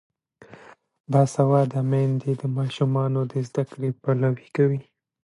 باسواده میندې د ماشومانو د زده کړې پلوي کوي.